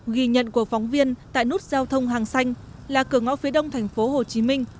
ghi nhận của phóng viên tại nút giao thông hàng xanh là cửa ngõ phía đông thành phố hồ chí minh